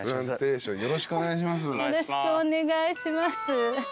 よろしくお願いします。